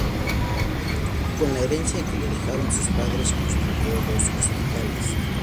Con la herencia que le dejaron sus padres construyó dos hospitales.